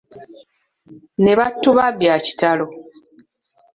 Ne batubba bya kitalo.